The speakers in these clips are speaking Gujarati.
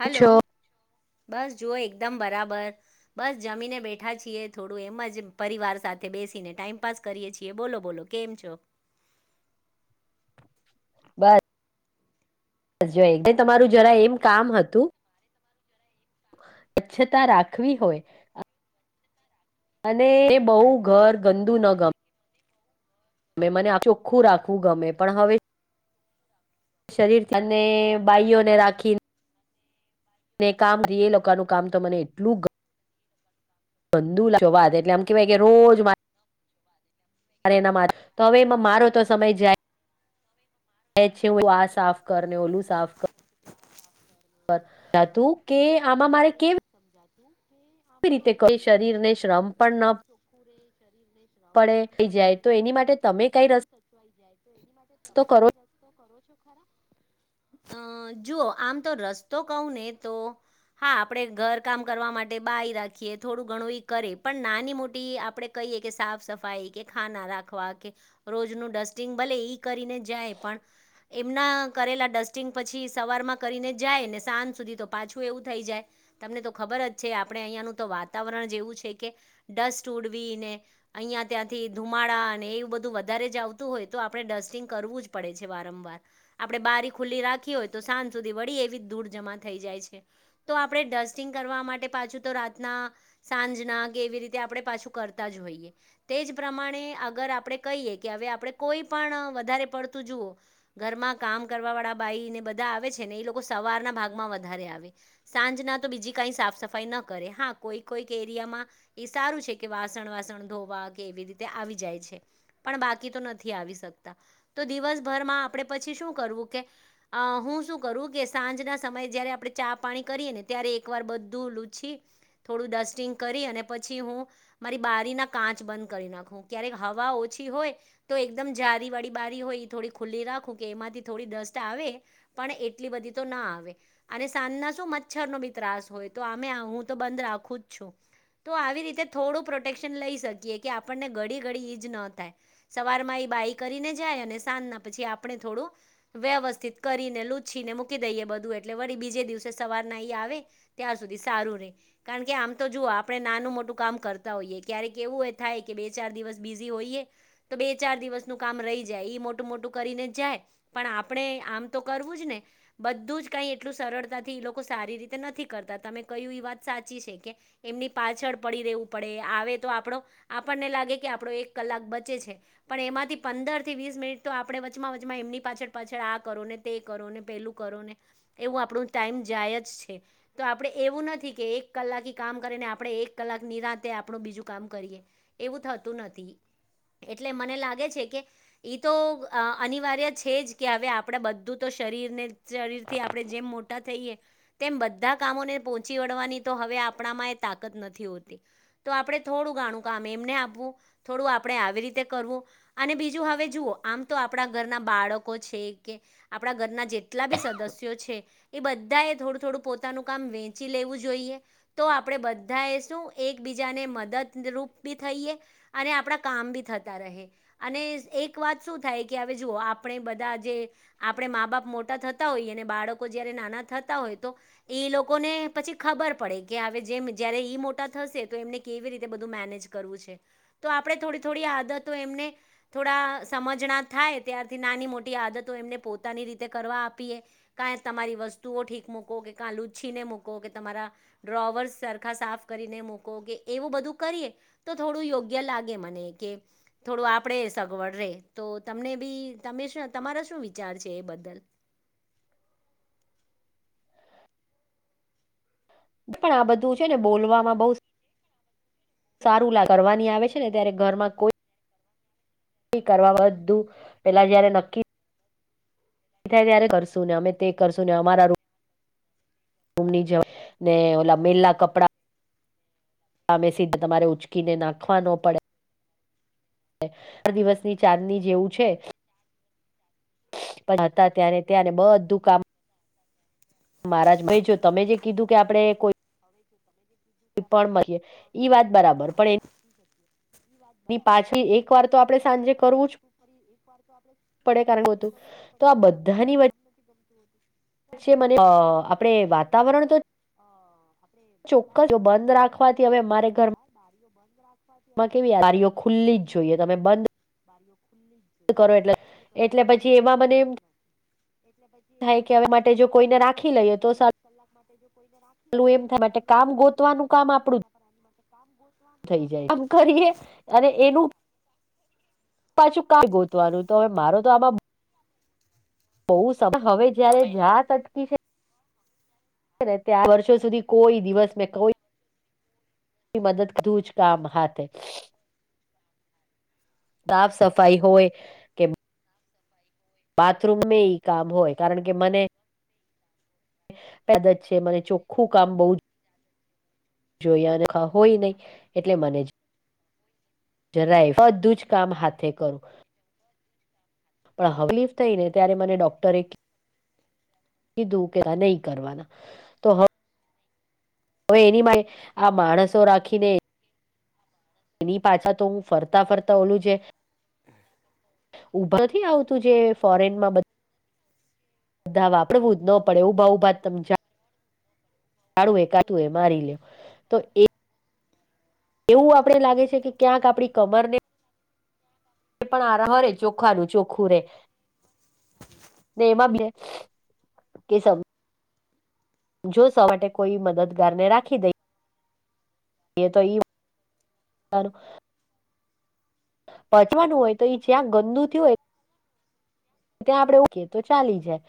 હાલો, છો? બસ જુઓ, એકદમ બરાબર. બસ, જમીને બેઠા છીએ. થોડું એમ જ પરિવાર સાથે બેસીને ટાઈમપાસ કરીએ છીએ. બોલો, બોલો. કેમ છો? બસ, જોય એ તમારું જરા એક કામ હતું. સ્વચ્છતા રાખવી હોય. અને એ તે બહુ ઘર ગંદુ ન ગમે. ને મને આ ચોખ્ખું રાખવું ગમે, પણ હવે શરીર અને બાાઈઓને રાખીને ને કામ કરીએ, લોકાનું કામ તો મને એટલું ગ બંધુ લાગ વાત એટલે, આમ કેવાય કે રોજ માસી મારે એમના મા તો હવે, એમાં તો મારો તો સમય જાય. આ સાફ કર, ઓલું સાફ કર. બર હતું કે, આમાં મારે કેવી સમજાતું કે, આમાં રીતે મારે કેવી રીતે શરીરને કરવું શ્રમ હવે? ઘર ન પણ ચ શ્રમ પડે પણ થઈ ના જાય પડે તો એની માટે તમે અને કઈ બધું સચવાઈ જાય, તો એની માટે રસ્તો તમે કરો કઈ રસ અ જો આમ તો રસ્તો કહુ ને તો. હા, આપણે ઘર કામ કરવા માટે બાાય રાખીએ. થોડું ઘણું એ કરે, પણ નાની મોટી આપણે કહીએ કે, સાફ સફાઈ કે ખાના રાખવા. રોજનું ડસ્ટિંગ ભલે કરીને જાય પણ. એમના કરેલા ડસ્ટિંગ પછી, સવારમાં કરીને જાય ને, સાંજ સુધી તો પાછું એવું થઈ જાય, તમને તો ખબર જ છે. આપણે અહીંયાનું તો વાતાવરણ જેવું છે કે ડસ્ટ ઉુડવી ને અહીંયા ત્યાંથી ધુમાડા અને એવું બધું વધારે જ આવતું હોય તો આપણે ડસ્ટિંગ કરવું જ પડે છે વારંવાર. આપણે બારી ખુલ્લી રાખી હોય તો સાંજ સુધી વળી એવી જ ધૂર જમા થઈ જાય છે. તો આપણે ડસ્ટિંગ કરવા માટે પાછું તો રાતના સાંજના કે એવી રીતે આપડે પાછું કરતા જ હોઈએ. તે જ પ્રમાણે આગર આપણે કહીએ કે હવે આપણે કોઈ પણ વધારે પડતું જુઓ ઘરમાં કામ કરવા વાળા બાઈ ને બધા આવે છે ને એ લોકો સવારના ભાગમાં વધારે આવે. સાંજના તો બીજી કાંઈ સાફ સફાઈ ન કરે, હા કોઈ કોઈક એરિયામાં એ સારું છે કે વાસણ વાસણ ધોવા કે એવી રીતે આવી જાય છે. પણ બાકી તો નથી આવી શકતા. તો દિવસભરમાં આપણે પછી શું કરવું કે અ હું શું કરું કે સાંજના સમયે જયારે આપણે ચા પાણી કરીએ ને ત્યારે એકવાર બધું લૂછી થોડું ડસ્ટિંગ કરી અને પછી હું મારી બારીના કાચ બંધ કરી નાખું ક્યારેક હવા ઓછી હોય. તો એકદમ જારી વાળી બારી હોય થોડી ખુલ્લી રાખું કે એમાંથી થોડી ડસ્ટ આવે. પણ એટલી બધી તો ના આવે અને સાંજના મચ્છર નો બી ત્રાસ હોય તો આમે હું તો બંધ રાખું જ છું. તો આવી રીતે થોડું પ્રોટેક્શન લઈ શકીએ કે આપણને ઘડી ઘડી ઈજ ન થાય. સવાર માં એ બાઈ કરીને જાય અને સાંજના પછી આપણે થોડું વ્યવસ્થિત કરીને લૂચછી ને મૂકી દઈએ બધું એટલે વળી બીજે દિવસે સવાર નહી આવે ત્યાં સુધી સારું રે. કારણ કે આમ તો જુઓ આપણે નાનું મોટું કામ કરતા હોઈએ ક્યારેક એવું એ થાય કે બે ચાર દિવસ બીઝી હોઈએ. તો બે ચાર દિવસનું કામ રહી જાય ઈ મોટું મોટું કરીને જાય. પણ આપણે આમ તો કરવું જ ને બધું જ કઈ એટલું સરળતાથી લોક કો સારી રીતે નથી કરતા તમે કહ્યું એ વાત સાચી છે કે એમની પાછળ પડી રહેેવું પડે આવે તો આપણો આપણને લાગે કે આપણો એક કલાક બચે છે. પણ એમાંથી પંદર થી વીસ મિનિટ તો આપણે વચમાં વચમાં એમની પાછળ પાછળ આ કરો ને તે કરો ને પહેલું કરો ને એવું આપણું ટાઈમ જાય જ છે. તો આપણે એવું નથી કે એક કલાક કામ કરીને આપણે એક કલાક નિરાંત આપણું બીજું કામ કરીએ. એવું થતું નથી. એટલે મને લાગે છે કે એ તો અ અનિવાર્ય છે જ કે હવે આપણે બધું તો શરીરને શરીરથી આપણે જેમ મોટા થઈએ તેમ બધા કામોને પહોંચી વળવાની તો હવે આપણામાં એ તાકત નથી હોતી. તો આપણે થોડું ઘણું કામ એમને આપવું થોડું આપણે આવી રીતે કરવું અને બીજું હવે જુઓ આમ તો આપણા ઘરના બાળકો છે કે આપણા ઘરના જે એટલા બી સદસ્યો છે એ બધા એ થોડું થોડું પોતાનું કામ વેચી લેવું જોઈએ. તો આપણે બધાએ શું એકબીજાને મદદરૂપ બી થઈએ. અને આપણા કામ બી થતા રહે. અને એક વાત શું થાય કે હવે જુઓ આપણે બધા જે આપણે મા બાપ મોટા થતા હોઈએ અને બાળકો જયારે નાના થતા હોય તો એ લોકોને પછી ખબર પડે કે હવે જેમ જયારે ઈ મોટા થશે તો એમને કેવી રીતે બધું મેનેજ કરવું છે. તો આપણે થોડી થોડી આદતો એમને થોડા સમજણા થાય ત્યારથી નાની મોટી આદતો એમને પોતાની રીતે કરવા આપીએ. કાં તમારી વસ્તુઓ ઠીક મૂકો કે કા લુચ્છીને મૂકો કે તમારા ડ્રોવર સરખા સાફ કરીને મૂકો કે એવું બધું કરીએ તો થોડું યોગ્ય લાગે મને કે થોડું આપણે સગવડ રહે તો તમને બી તમે શું તમારા શું વિચાર છે એ બદલ? પણ આ બધું છે ને બોલવામાં બહુ સારું લા કરવાની આવે છે ને ત્યારે ઘરમાં કોઈ કરવા બધુ પેલા જયારે નક્કી થાય ત્યારે કરશું ને અમે તે કરશું ને અમારા રૂમ રૂમની જવા ને ઓલા મેલા કપડા સામે સીધા તમારે ઉચકીને નાખવાનો પડે ચાર દિવસની ચાંદની જેવું છે. પણ હતા ત્યાંને ત્યાંને બધું કામ મહારાજ ભાઈ જો તમે જે કીધું કે આપડે કોઈ પણ ઈ વાત બરાબર પણ એ [inaudible] એક વાર તો સાંજે આપણે સાંજે જ કરવું જ કારણ કે પડે હતું તો આ કારણ કે [unintelligible] છે મને અ આપણે વાતાવરણ તો ચોક્કસ જો બંધ રાખવાથી હવે મારે ઘરમાં [inaudible] કેવી બારીઓ ખુલ્લી જ જોઈએ તમે બંધ કરો એટલે [inaudible] એટલે પછી એમાં મને એટલે પછી થાય એમાં કે હવે મને એમ માટે જો થાય કોઈને કેવે રાખી આમાં ચોવીસ કલાક માટે જો કોઈને ચાલું એમ થાય માટે કામ ગોતવાનું કામ આપડું જ [inaudible] થઈ જાય આમ કરીએ અને એનું પાછું કા ગોતવાનું તો હવે મારો તો આમાં બોવ હવે જયારે જાત અટકી છે. ને ત્યાં વર્ષો સુધી કોઈ દિવસ મેં કોઈ ની મદદ દૂજ કામ હાથે સાફ સફાઈ હોય કે બાથરૂમ મે ઈ કામ હોય કારણ કે મને પેદા જ છે, મને ચોખ્ખું કામ બોવ જ જોયા અને હોય નહી એટલે મને જ જરાય બધું જ કામ હાથે કરું પણ હકલીફ થઈ ને ત્યારે મને ડોક્ટરે કીધું કે નહી કરવાના તો હ હવે એની માટે આ માણસો રાખીને એની પાછા તો હું ફરતા ફરતા ઓલું છે. [inaudible] ઉભા નથી આવતું જે ફોરેનમાં બધ ધા વાપરવું જ ન પડે ઉભા ઉભા તમ જા કાળુ એ કાતુ એ મારી લે તો એ એવું આપડે લાગે છે કે ક્યાંક આપડી કમર ને એ પણ આરા ઘરે ચોખાનું ચોખ્ખું રે ને એમાં કે સ જો સવા માટે કોઈ મદદગાર ને રાખી દઈ એ તો ઈ હારું પંચવાનું હોય તો જ્યાં ગંદુ થીયુ હોય ત્યાં આપડે ઓકેએ તો ચાલી જાય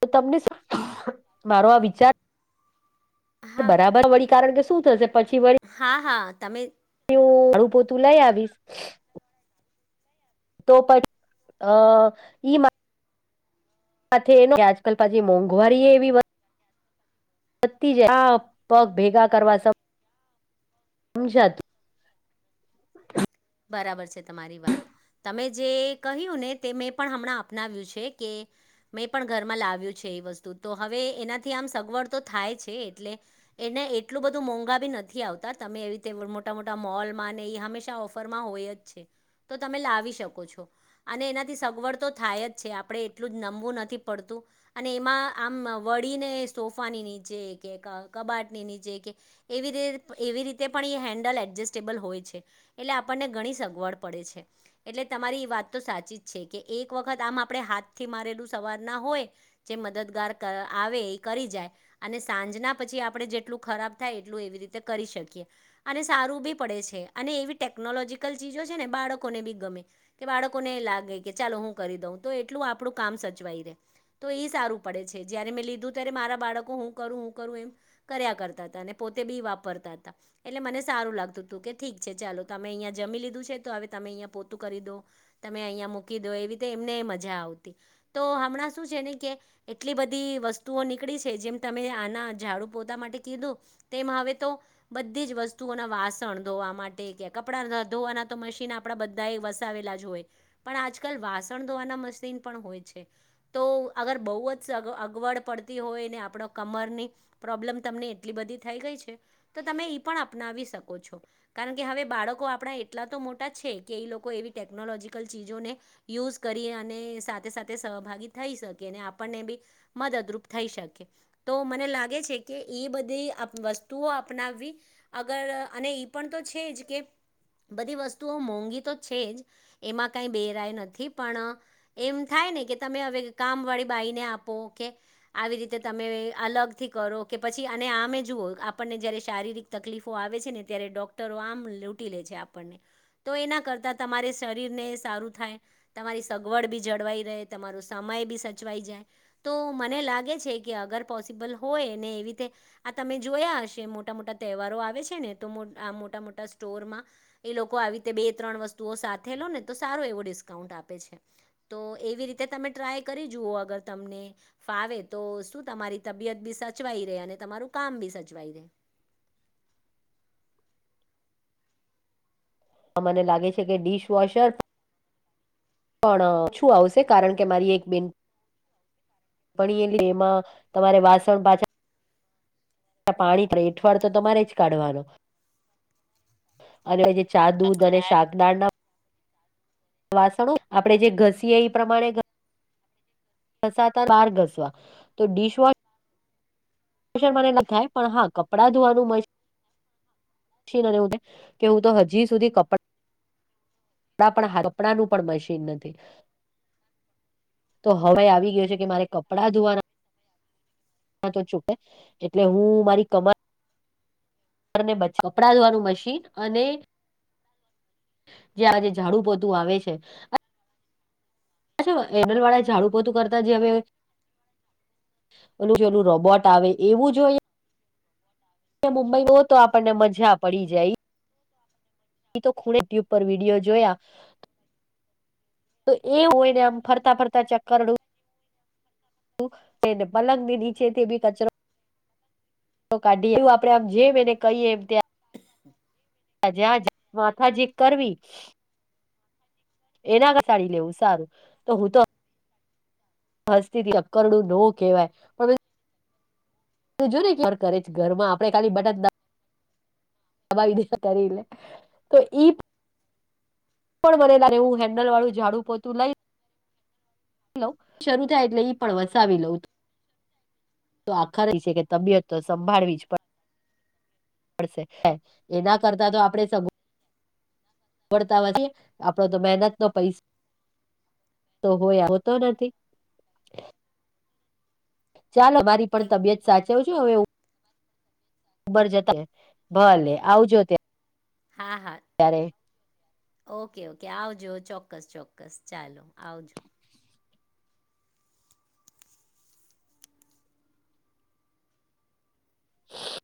તો તમને શું મારો આ વિચાર હા બરાબર વળી કારણ કે શું થશે પછી વળી હા હા તમે એવું ઝાડુ પોતું લઈ આવીશ તો પ અ ઈમા સાથે આજકાલ પછી મોંઘવારી એવી પતી જ આ પગ ભેગા કરવા સમજાતું બરાબર છે, તમારી વાત તમે જે કહ્યું ને તે મેં પણ હમણાં અપનાવ્યું છે, કે મેં પણ ઘરમાં લાવ્યું છે, એ વસ્તુ તો હવે એનાથી આમ સગવડ તો થાય છે, એટલે એને એટલું બધું મોંઘા બી નથી આવતા તમે એવી રીતે મોટા મોટા મોલ માં એ હંમેશા ઓફ રમાં હોય જ છે, તો તમે લાવી શકો છો. અને એનાથી સગવડ તો થાય જ છે, આપણે એટલું જ નમવું નથી પડતું. અને એમાં આમ વળીને સોફાની નીચે કે ક કબાટની નીચે કે એવી રે એવી રીતે પણ એ હેન્ડલ એડજસ્ટેબલ હોય છે. એટલે આપણને ઘણી સગવડ પડે છે. એટલે તમારી એ વાત તો સાચી જ છે, કે એક વખત આમ આપણે હાથથી મારેલું સવાર ના હોય જે મદદગાર કર આવે એ કરી જાય અને સાંજના પછી આપણે જેટલું ખરાબ થાય એટલું એવી રીતે કરી શકીએ અને સારું બી પડે છે અને એવી ટેકનોલોજીકલ ચીજો છે ને બાળકોને બી ગમે કે બાળકોને એ લાગે કે ચાલો હું કરી દઉં તો એટલું આપણું કામ સચવાય રે તો એ સારું પડે છે જ્યારે મેં લીધું ત્યારે મારા બાળકો હું કરું હું કરું એમ કર્યા કરતા હતા અને પોતે બી વાપરતા હતા એટલે મને સારું લાગતું હતું કે ઠીક છે ચાલો તમે અહીંયા જમી લીધું છે તો હવે તમે અહિયાંયા પોતું કરી દો તમે અહિયાં મૂકી દો એવી રીતે એમને મજા આવતી તો હમણાં શું છે ને કે એટલી બધી વસ્તુઓ નીકળી છે જેમ તમે આના ઝાડુ પોતા માટે કીધું તેમ હવે તો બધી જ વસ્તુઓના વાસણ ધોવા માટે કપડા ધોવાના તો મશીન આપડા બધા એ વસાવેલા જ હોય પણ આજકાલ વાસણ ધોવાના મશીન પણ હોય છે. તો અગર બહુ જ અગવડ પડતી હોય ને આપણો કમરની પ્રોબ્લેમ તમને એટલી બધી થઈ ગઈ છે તો તમે પણ અપનાવી શકો છો કારણ કે હવે બાળકો આપણા એટલા તો મોટા છે કે એ લોકો એવી ટેકનોલોજીકલ ચીજોને યુઝ કરી અને સાથે સાથે સહભાગી થઈ શકે અને આપણને બી મદદરૂપ થઈ શકે તો મને લાગે છે કે એ બધી વસ્તુઓ અપનાવવી અગર અને ઈ પણ તો છે જ કે બધી વસ્તુઓ મોંઘી તો છે જ એમાં કાંઈ બેરાય નથી પણ એમ થાય ને કે તમે હવે કામ વાળી બાઈને આપો કે આવી રીતે તમે અલગથી કરો કે પછી અને આમે જુઓ આપણને જયારે શારીરિક તકલીફો આવે છે ને ત્યારે ડોક્ટરો આમ લૂંટી લે છે આપણને તો એના કરતા તમારે શરીરને સારું થાય તમારી સગવડ બી જળવાઈ રહે તમારો સમય બી સચવાઈ જાય તો મને લાગે છે કે અગર પોસિબલ હોય ને એવી રીતે આ તમે જોયા હશે મોટા મોટા તહેવારો આવે છે ને તો આ મોટા મોટા સ્ટોરમાં એ લોકો આવી રીતે બે ત્રણ વસ્તુઓ સાથે લો ને તો સારો એવો ડિસ્કાઉન્ટ આપે છે તો એવી રીતે તમે ટ્રાય કરી જુઓ અગર તમને ફાવે તો શું તમારી તબિયત બી સચવાઈ રહેે અને તમારું કામ બી સચવાઈ રહેે મને લાગે છે કે ડિશ વોશર પણ શું આવશે કારણ કે મારી એક બેિન ભણીએ એમાં તમારે વાસણ પાછા પાણી એઠવાડ તો તમારે જ કાઢવાનો અનેજ ચા દૂધ અને કઢાય શાકનાળ ના વાસણો આપડે જે ઘસીએ એ પ્રમાણે ઘસાતા બાર ઘસવા તો ડિશવોશ મને લખાય પણ હા કપડા ધોવાનું મ ના હું કે હું તો હજી સુધી કપડા આપડા પણ હા કપડા ન પણ મશીન નથી તો હવે આવી ગયો છે કે મારે કપડાં ધોવાના ચૂપ એટલે હું મારી ક ને બ કપડા ધોવાનું મશીન અને જ્યાં આજે ઝાડુ પોતું આવે છે અચછા એનલ વાળા ઝાડુ પોતું કરતા જે હવે. એલું જેલું રોબોટ આવે એવું જોઈએ. મુંબઈ હો તો આપણને મજા પડી જાય. એ તો ખૂણે ટ્યુબ પર વિડીયો જોયા. તો એ હોય ને આમ ફરતા ફરતા ચેક કરડું. ને પલંગ ની નીચેથી બી કચરો. કાઢીએ એવું આપડે આમ જેમ એને કહીએ એમ ત્યા. હ [unintelligible] જ્યા માથાજી કરવી. એના કે સાડી લેવું સારું તો હું તો. હસ્તીથી અપકરણું ન કહેવાય પણ તું જો ને કરે ઘર માં આપે ખાલી બટ દબાવીને કરીરે તો પણ બનેલા રહેવું હેન્ડલ વાળુંઝાડું પોતું લઈ. લવ શરૂ થાય એટલે ઈ પણ વસાવી લઉં. તો આખા ર છે કે તબિયત તો સંભાળવી જ પડે. પડશે એના કરતા તો આપડે સગવડ. વડતા હોય છે આપડો તો મહેનત નો પૈસા. તો હોય આવતો નથી. ચાલો મારી પણ એક તબિયત. સાચવજો હવે ઉબર જતા ભલે આવજો ત્યાં હા હા ત્યારે. ઓકે ઓકે આવજો ચોક્કસ ચોક્કસ ચાલો આવજો. [inaudible]